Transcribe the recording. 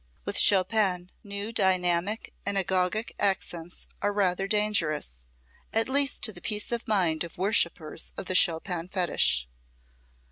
With Chopin, new dynamic and agogic accents are rather dangerous, at least to the peace of mind of worshippers of the Chopin fetish.